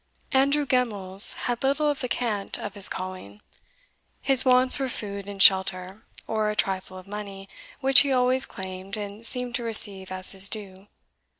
Andrew Gemmells had little of the cant of his calling; his wants were food and shelter, or a trifle of money, which he always claimed, and seemed to receive as his due.